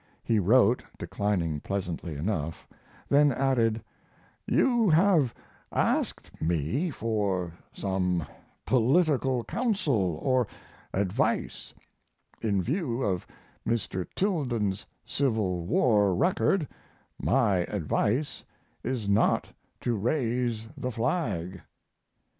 He wrote, declining pleasantly enough, then added: "You have asked me for some political counsel or advice: In view of Mr. Tilden's Civil War record my advice is not to raise the flag."